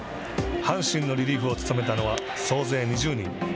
阪神のリリーフを務めたのは総勢２０人。